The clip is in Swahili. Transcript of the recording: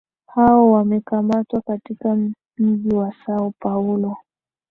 hao wamekamatwa katika mji wa Sao Paulo